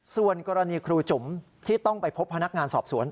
ส่วนกรณีครูจุ๋มที่ต้องไปพบพนักงานสอบสวน